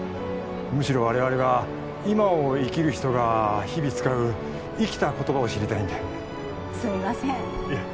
むしろ我々は今を生きる人が日々使う生きた言葉を知りたいんですみませんいえ